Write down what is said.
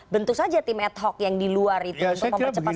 bentuk saja tim ad hoc yang di luar itu untuk mempercepat secara simultan